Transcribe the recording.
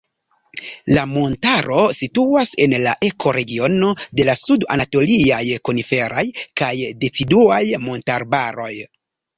La montaro situas en la ekoregiono de la sud-anatoliaj koniferaj kaj deciduaj montarbaroj.